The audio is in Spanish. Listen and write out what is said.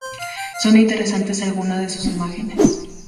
Son interesantes algunas de sus imágenes.